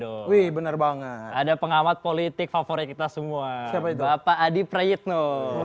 dong bener banget ada pengamat politik favorit kita semua bapak adi prayitno